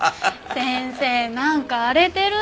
先生なんか荒れてる。